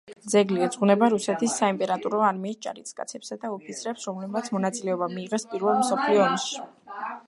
ძეგლი ეძღვნება რუსეთის საიმპერატორო არმიის ჯარისკაცებსა და ოფიცრებს, რომლებმაც მონაწილეობა მიიღეს პირველ მსოფლიო ომში.